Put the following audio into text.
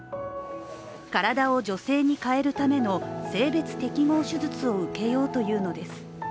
体を女性に変えるための性別適合手術を受けようというのです。